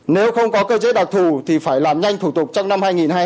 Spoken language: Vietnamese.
nếu không có cơ chế đặc thù thì phải làm nhanh thủ tục trong năm hai nghìn hai mươi